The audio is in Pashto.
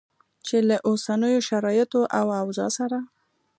چې له اوسنیو شرایطو او اوضاع سره